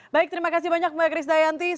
baik terima kasih banyak mbak chris dayanti